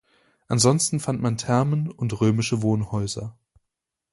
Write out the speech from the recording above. Ansonsten fand man Thermen und römische Wohnhäuser.